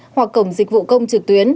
hoặc cổng dịch vụ công trực tuyến